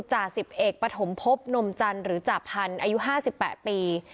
จ่าสิบเอกปฐมพบนมจันทร์หรือจ่าพันธุ์อายุ๕๘ปี